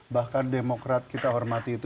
bahkan demokrat kita hormati itu